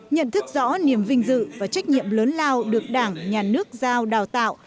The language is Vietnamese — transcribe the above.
nhận thức rõ niềm vinh dự và trách nhiệm lớn lao được đảng nhà nước giao đào tạo